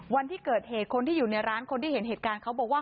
วันที่เกิดเหตุคนที่อยู่ในร้านคนที่เห็นเหตุการณ์เขาบอกว่า